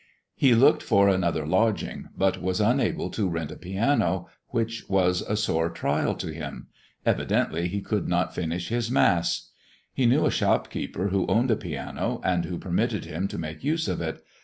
He looked for another lodging, but was unable to rent a piano, which was a sore trial to him; evidently he could not finish his Mass. He knew a shopkeeper who owned a piano and who permitted him to make use of it.